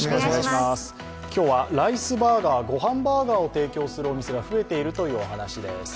今日はライスバーガー、御飯バーガーを提供するお店が増えているというお話です。